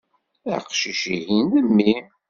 Aqcic-ihin, d mmi.